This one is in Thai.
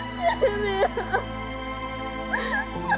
พี่เบีย